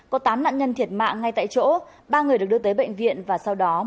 có tám nạn nhân thiệt mạng ngay tại chỗ ba người được đưa tới bệnh viện và sau đó